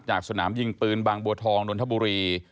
สนามยิงปืนบางบัวทองนนทบุรี